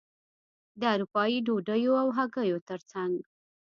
د اروپايي ډوډیو او هګیو ترڅنګ.